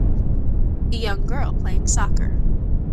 A young girl playing soccer.